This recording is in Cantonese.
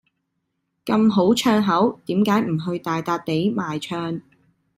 咁好唱口，點解唔去大笪地賣唱。